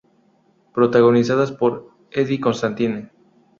Protagonizadas por Eddie Constantine